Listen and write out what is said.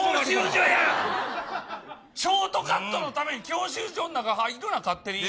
ショートカットのために教習所の中に入るな、勝手に。